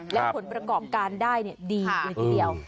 และผลประกอบการได้ดีเลยทีเดียว